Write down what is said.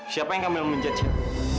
siapa yang kamele menjat cik